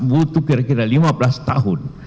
butuh kira kira lima belas tahun